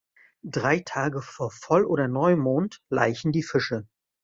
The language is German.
Drei Tage vor Voll- oder Neumond laichen die Fische.